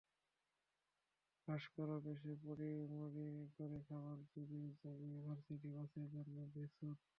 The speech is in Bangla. ব্রাশ করা শেষে পড়িমরি করে খাবার চিবিয়ে-চাপিয়ে খেয়ে ভার্সিটির বাসের জন্য দে-ছুট।